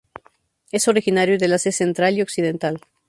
Es originario del Asia central y occidental.